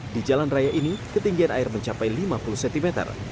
di jalan raya ini ketinggian air mencapai lima puluh cm